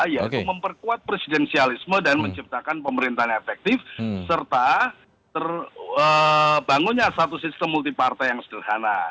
yaitu memperkuat presidensialisme dan menciptakan pemerintahan efektif serta terbangunnya satu sistem multi partai yang sederhana